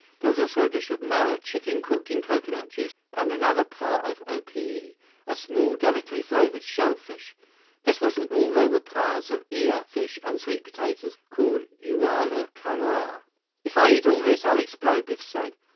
There was also a dish of moa, chicken cooked in coconut juice, and another pa of opihi, a small, delicately flavored shell fish. This wasn't all. There were pas of i'a, fish, and sweet potatoes, called uwala kalua. "If I eat all this, I'll explode," Biff said.